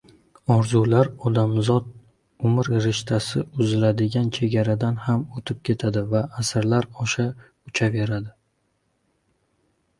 Orzular odamzod umr rishtasi uziladigan chegaradan ham o‘tib ketadi va asrlar osha uchaveradi.